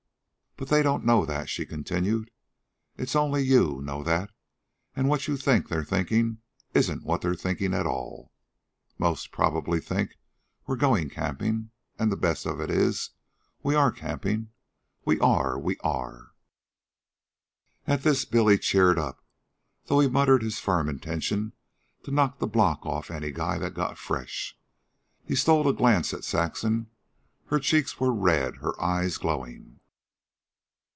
"But they don't know that," she continued. "It's only you know that, and what you think they're thinking isn't what they're thinking at all. Most probably they think we're going camping. And the best of it is we are going camping. We are! We are!" At this Billy cheered up, though he muttered his firm intention to knock the block off of any guy that got fresh. He stole a glance at Saxon. Her cheeks were red, her eyes glowing.